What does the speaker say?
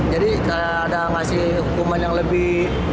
jadi ada ngasih hukuman yang lebih berat